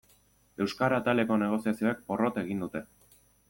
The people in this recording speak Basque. Euskara ataleko negoziazioek porrot egin dute.